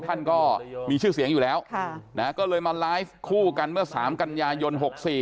ท่านก็มีชื่อเสียงอยู่แล้วก็เลยมาไลฟ์คู่กันเมื่อ๓กันยายน๖๔